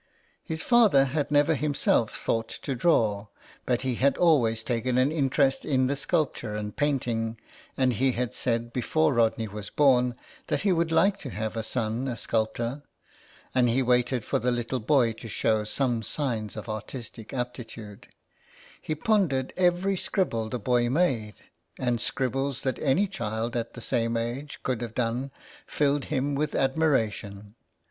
His father had never himself thought to draw, but he had always taken an interest in sculpture and painting, and he had said before Rodney was born that he would like to have a son a sculptor. And he waited for the little boy to show some signs of artistic aptitude. He pondered every scribble the boy made, and scribbles that any child at the same age could have done filled him with admiration.